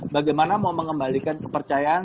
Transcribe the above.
bagaimana mau mengembalikan kepercayaan